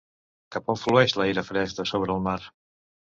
Cap on flueix l'aire fresc de sobre el mar?